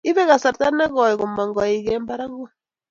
ipe kasarta ne koi komong' koik eng' parakut